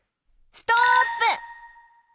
ストップ！